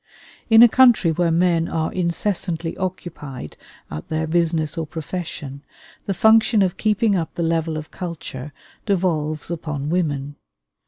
In a country where men are incessantly occupied at their business or profession, the function of keeping up the level of culture devolves upon women.